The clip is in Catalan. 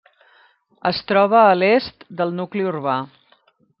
Es troba a l'est del nucli urbà.